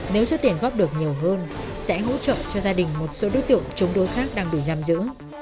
nếu số tiền góp được nhiều hơn sẽ hỗ trợ cho gia đình một số đối tượng chống đối khác đang bị giam giữ